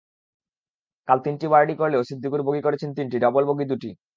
কাল তিনটি বার্ডি করলেও সিদ্দিকুর বগি করেছেন তিনটি, ডাবল বগি দুটি।